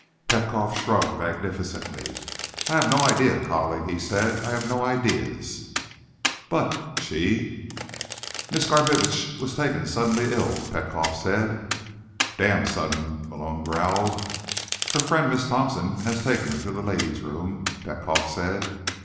Petkoff shrugged magnificently. "I have no ideas, colleague," he said. "I have no ideas." "But she—" "Miss Garbitsch was taken suddenly ill," Petkoff said. "Damn sudden," Malone growled. "Her friend, Miss Thompson, has taken her to the ladies' room," Petkoff said.